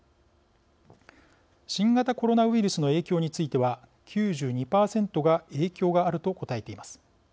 新型コロナウイルスの影響については９２％が影響があると答えています。